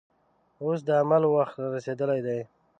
اوس د عمل وخت رارسېدلی دی.